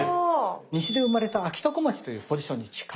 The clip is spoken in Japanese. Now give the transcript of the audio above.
「西で生まれたあきたこまち」というポジションに近い。